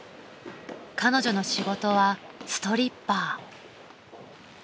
［彼女の仕事はストリッパー］